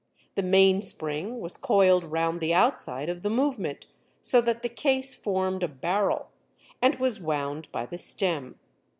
The mainspring was coiled round the outside of the movement, so that the case formed a barrel, and was wound by the stem.